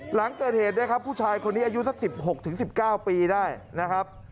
หลังเกิดเหตุได้ครับผู้ชายคนนี้อายุสักสิบหกถึงสิบเก้าปีได้นะครับ